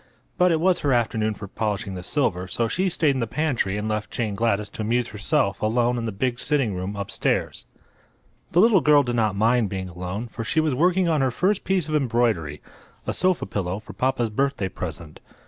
But it was her afternoon for polishing the silver, so she stayed in the pantry and left Jane Gladys to amuse herself alone in the big sitting room upstairs. The little girl did not mind being alone, for she was working on her first piece of embroidery—a sofa pillow for papa's birthday present.